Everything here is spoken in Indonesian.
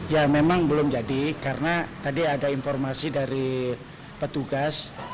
ya memang belum jadi karena tadi ada informasi dari petugas